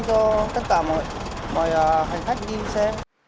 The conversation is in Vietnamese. và mọi hành khách đi xe